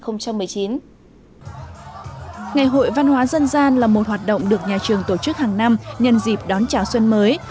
ngày hội văn hóa dân gian là một hoạt động được nhà trường tổ chức hàng năm nhân dịp đón chào xuân mới